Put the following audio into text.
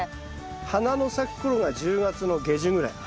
花の咲く頃が１０月の下旬ぐらい。